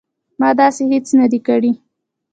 ما داسې هیڅ نه دي کړي